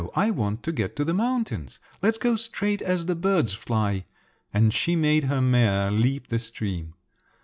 I want to get to the mountains! Let's go straight, as the birds fly," and she made her mare leap the stream.